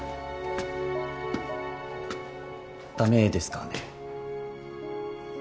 駄目ですかね？